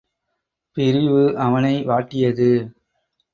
பிரிவு அவனை வாட்டியது.